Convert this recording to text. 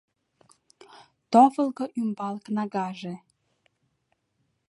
Товылго ӱмбал кнагаже.